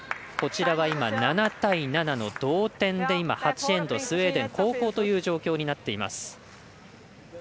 こちらは、今、７対７の同点で８エンドスウェーデン、後攻という状況になっています。